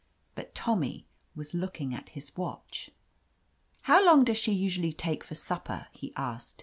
But Tommy was looking at his watch. "How long does she usually take for sup per?" he asked.